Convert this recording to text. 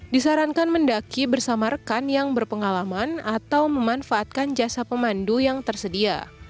disarankan mendaki bersama rekan yang berpengalaman atau memanfaatkan jasa pemandu yang tersedia